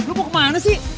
lu mau kemana sih